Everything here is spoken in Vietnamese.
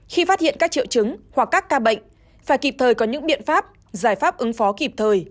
khi phát hiện các triệu chứng hoặc các ca bệnh phải kịp thời có những biện pháp giải pháp ứng phó kịp thời